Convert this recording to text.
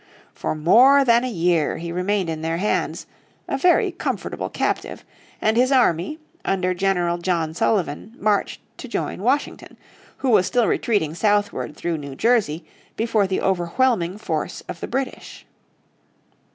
For more than a year he remained in their hands, a very comfortable captive, and his army, under General John Sullivan, marched to join Washington, who was still retreating southward through New Jersey before the overwhelming force of the British.